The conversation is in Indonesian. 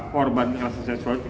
korban kekerasan seksual